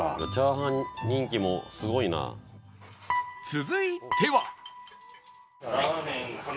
続いては